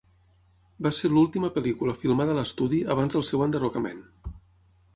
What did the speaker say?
Va ser l'última pel·lícula filmada a l'estudi abans del seu enderrocament.